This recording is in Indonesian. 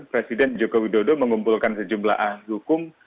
presiden joko widodo mengumpulkan sejumlah ahli hukum